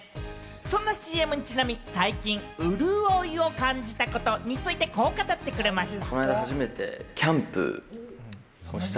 そんなＣＭにちなみ、最近、うるおいを感じたことについて、こう語っていました。